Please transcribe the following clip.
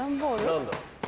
何だろう？